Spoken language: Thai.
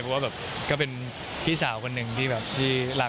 เพราะว่าก็เป็นพี่สาวคนหนึ่งที่รักมากครับ